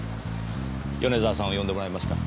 米沢さんを呼んでもらえますか？